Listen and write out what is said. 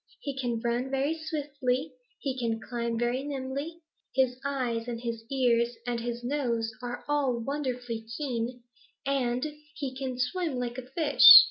He can run very swiftly; he can climb very nimbly; his eyes and his ears and his nose are all wonderfully keen, and he can swim like a fish.